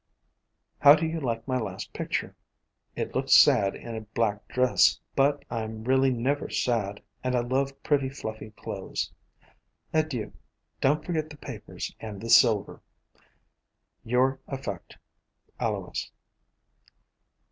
How do you like my last picture ? It looks sad in a black dress, but I 'm really never sad, and I love pretty, fluffy clothes. Adieu. Don't forget the papers and the silver. Your affec. ALOIS.